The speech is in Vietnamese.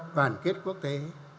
đoàn kết quốc tế